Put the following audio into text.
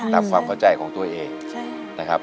ความเข้าใจของตัวเองนะครับ